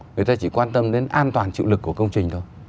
người ta chỉ quan tâm đến an toàn chịu lực của công trình thôi